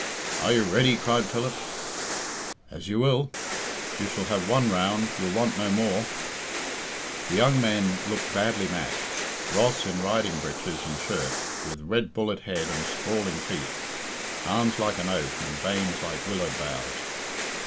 "Are you ready?" cried Philip. "As you will. You shall have one round, you'll want no more." The young men looked badly matched. Ross, in riding breeches and shirt, with red bullet head and sprawling feet, arms like an oak and veins like willow boughs.